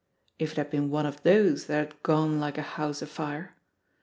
If it had been one of those that had ^'gone like a house afire"